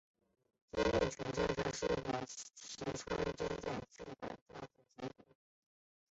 今日的犬山城则是石川贞清再次改建的结果。